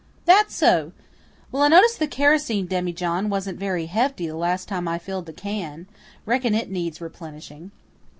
"That so? Well, I noticed the kerosene demijohn wasn't very hefty the last time I filled the can. Reckon it needs replenishing."